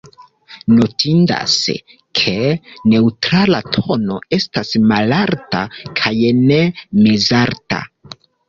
Notindas, ke neŭtrala tono estas malalta kaj ne mezalta.